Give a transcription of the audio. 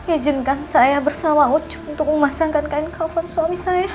izinkan saya bersama oc untuk memasangkan kain kafan suami saya